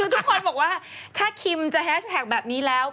ทุกคนบอกว่าถ้าคิมจะแฮชแท็กแบบนี้แล้ว